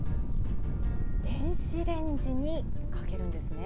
電子レンジにかけるんですね。